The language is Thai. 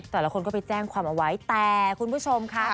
แต่ละคนก็ไปแจ้งความเอาไว้แต่คุณผู้ชมค่ะ